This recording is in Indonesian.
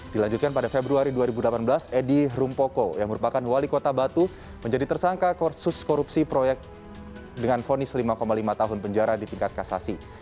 dilanjutkan pada februari dua ribu delapan belas edi rumpoko yang merupakan wali kota batu menjadi tersangka kursus korupsi proyek dengan vonis lima lima tahun penjara di tingkat kasasi